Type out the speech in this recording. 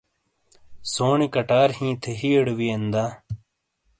سونی کَٹار ہِیں تھے ہِئیے ڑے وِیئین دا؟